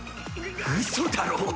うそだろ？